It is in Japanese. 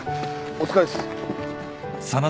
お疲れっす。